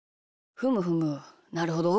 ふむふむなるほど。